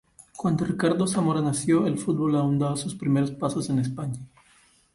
Cuando Ricardo Zamora nació, el fútbol aún daba sus primeros pasos en España.